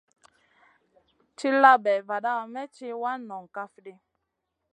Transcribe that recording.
Tilla bay vada may tì wana nong kaf ɗi.